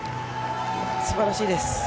素晴らしいです。